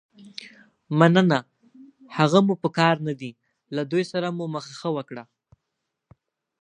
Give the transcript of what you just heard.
مننه، هغه مو په کار نه دي، له دوی سره مو مخه ښه وکړه.